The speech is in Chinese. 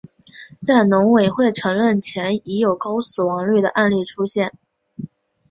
在农委会承认前已有高死亡率的案例出现。